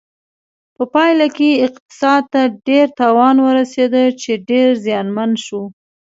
په پایله کې اقتصاد ته ډیر تاوان ورسېده چې ډېر زیانمن شو.